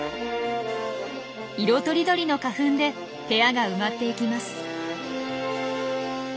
色とりどりの花粉で部屋が埋まっていきます。